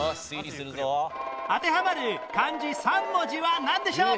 当てはまる漢字３文字はなんでしょう？